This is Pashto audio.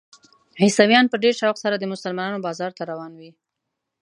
عیسویان په ډېر شوق سره د مسلمانانو بازار ته روان وي.